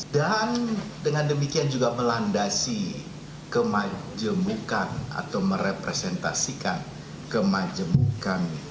dan dengan demikian juga melandasi kemajemukan atau merepresentasikan kemajemukan